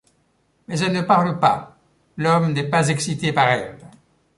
Mais elle ne parle pas, l'homme n'est pas excité par elle.